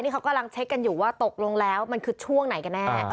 เขากำลังเช็คกันอยู่ว่าตกลงแล้วมันคือช่วงไหนกันแน่